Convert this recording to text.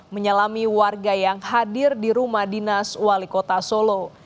menyelami warga yang hadir di rumah dinas wali kota solo